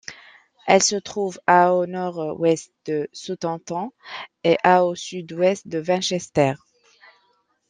Elle se trouve à au nord-ouest de Southampton et à au sud-ouest de Winchester.